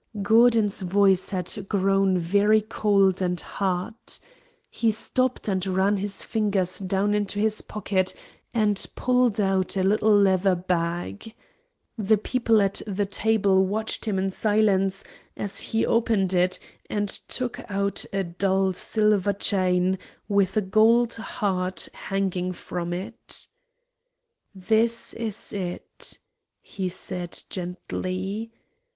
Gordon's voice had grown very cold and hard. He stopped and ran his fingers down into his pocket and pulled out a little leather bag. The people at the table watched him in silence as he opened it and took out a dull silver chain with a gold heart hanging from it. "This is it," he said, gently.